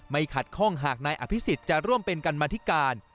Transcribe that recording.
ขัดข้องหากนายอภิษฎจะร่วมเป็นกรรมธิการ